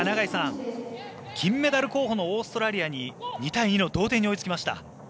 金メダル候補のオーストラリアに２対２の同点に追いつきました。